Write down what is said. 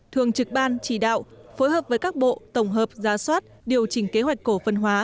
thường trực ban chỉ đạo phối hợp với các bộ tổng hợp giá soát điều chỉnh kế hoạch cổ phân hóa